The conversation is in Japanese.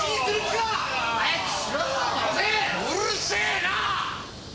うるせえな！